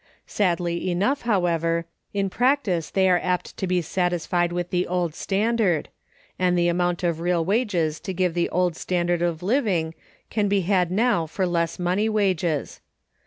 Sadly enough, however, in practice they are apt to be satisfied with the old standard; and the amount of real wages to give the old standard of living can be had now for less money wages.